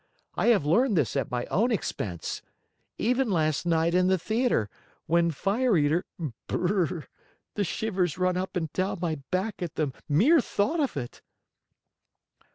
I have learned this at my own expense. Even last night in the theater, when Fire Eater. .. Brrrr!!!!! ... The shivers run up and down my back at the mere thought of it."